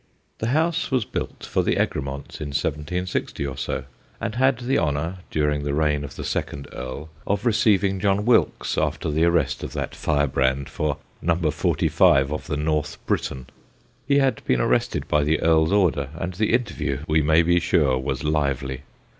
The house was built for the Egremonts in 1760 or so, and had the honour, during the reign of the second Earl, of receiving John Wilkes after the arrest of that firebrand for No. 45 of the North Briton. He had been arrested by the Earl's order, and the interview, we may be sure, was lively.